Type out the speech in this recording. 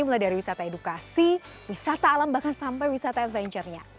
mulai dari wisata edukasi wisata alam bahkan sampai wisata adventure nya